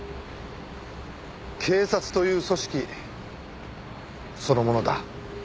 警察という組織そのものだ。